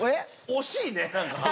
惜しいね。